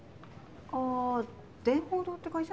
あ電報堂って会社？